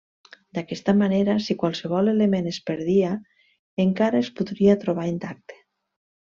D'aquesta manera si qualsevol element es perdia, encara es podria trobar intacte.